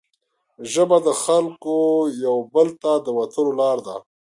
ژبه د خلګو یو بل ته د تلو لاره ده